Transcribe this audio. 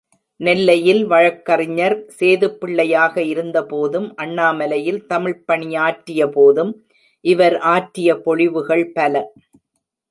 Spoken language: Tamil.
நெல்லையில் வழக் கறிஞர் சேதுப்பிள்ளையாக இருந்தபோதும், அண்ணாமலையில் தமிழ்ப் பணியாற்றியபோதும் இவர் ஆற்றிய பொழிவுகள் பல.